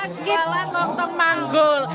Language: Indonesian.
jualan jualan nonton manggul